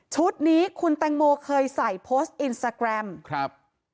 ชุดนี้คุณแตงโมเคยใส่โพสต์อินสตาแกรมครับ